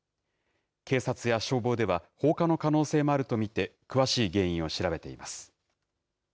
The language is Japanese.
警察や消防では放火の可能性もあると見て、詳しい原因を調べています。